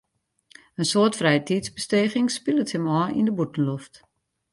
In soad frijetiidsbesteging spilet him ôf yn de bûtenloft.